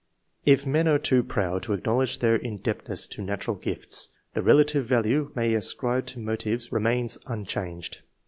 If men are too proud to acknowledge their in debtedness to natural gifts, the relative value they ascribe to motives remains unchanged.